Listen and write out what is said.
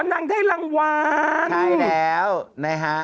นางได้รางวัลใช่แล้วนะฮะ